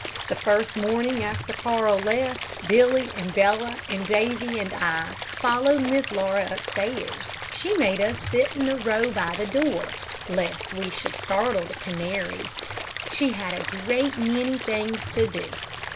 The first morning after Carl left, Billy, and Bella, and Davy, and I followed Miss Laura upstairs. She made us sit in a row by the door, lest we should startle the canaries. She had a great many things to do.